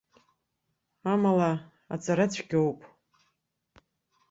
Амала, аҵара цәгьоуп.